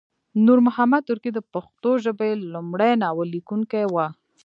نور محمد ترکی د پښتو ژبې لمړی ناول لیکونکی وه